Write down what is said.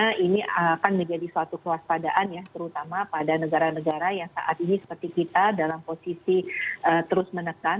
karena ini akan menjadi suatu kewaspadaan ya terutama pada negara negara yang saat ini seperti kita dalam posisi terus menekan